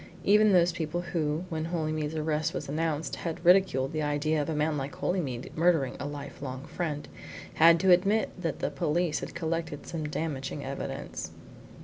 Even those people who, when Holymead's arrest was announced, had ridiculed the idea of a man like Holymead murdering a lifelong friend, had to admit that the police had collected some damaging evidence.